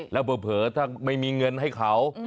แล้วเผลอถ้าไม่มีเงินให้เขา